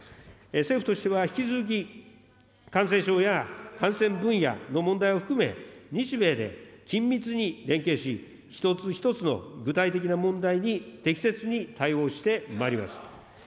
政府としては引き続き感染症や感染分野の問題を含め、日米で緊密に連携し一つ一つの具体的な問題に適切に対応してまいります。